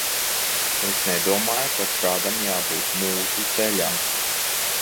Es nedomāju, ka šādam jābūt mūsu ceļam.